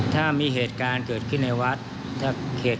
ถ้ามีเหตุการณ์เกิดขึ้นในวัด